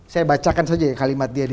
saya bacakan saja ya kalimat dia